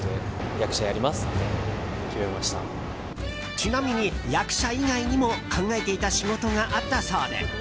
ちなみに、役者以外にも考えていた仕事があったそうで。